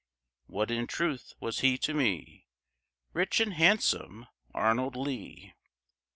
What in truth was he to me, Rich and handsome Arnold Lee?